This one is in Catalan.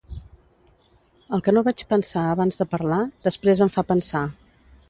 El que no vaig pensar abans de parlar després em fa pensar.